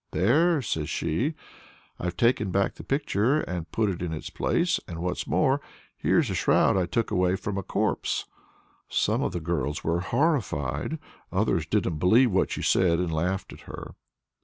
"There!" says she, "I've taken back the picture and put it in its place; and, what's more, here's a shroud I took away from a corpse." Some of the girls were horrified; others didn't believe what she said, and laughed at her.